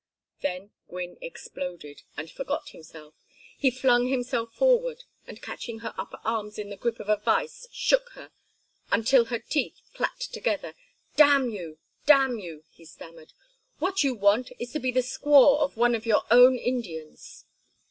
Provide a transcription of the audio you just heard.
Then Gwynne exploded, and forgot himself. He flung himself forward, and catching her upper arms in the grip of a vise shook her until her teeth clacked together. "Damn you! Damn you!" he stammered. "What you want is to be the squaw of one of your own Indians!"